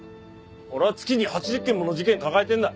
俺は月に８０件もの事件抱えてるんだ。